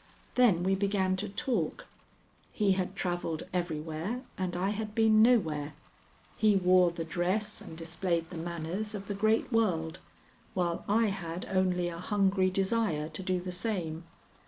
Then we began to talk. He had travelled everywhere and I had been nowhere; he wore the dress and displayed the manners of the great world, while I had only a hungry desire to do the same.